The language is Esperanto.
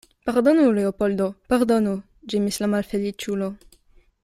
Pardonu, Leopoldo, pardonu, ĝemis la malfeliĉulo.